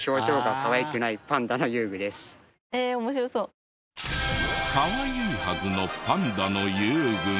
かわいいはずのパンダの遊具が。